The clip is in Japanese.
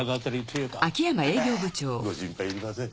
いやご心配いりません。